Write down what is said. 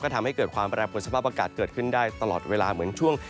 ทำให้เกิดความแปรปวนสภาพอากาศเกิดขึ้นได้ตลอดเวลาเหมือนช่วง